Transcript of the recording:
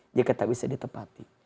jika tak bisa ditepati